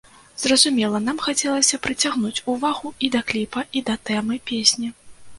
Зразумела, нам хацелася прыцягнуць увагу і да кліпа, і да тэмы песні.